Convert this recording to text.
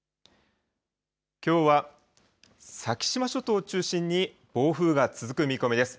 きょうは先島諸島を中心に暴風が続く見込みです。